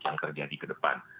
yang terjadi ke depan